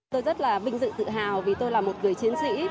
tôi rất là vinh dự tự hào vì tôi là một người chiến sĩ